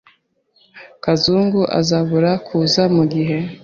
Kazungu azabura kuza mugihe.